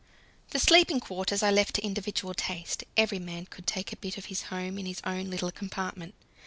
The sleeping quarters I left to individual taste: every man could take a bit of his home in his own little compartment.